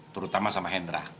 terutama sama hendra